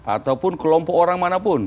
ataupun kelompok orang manapun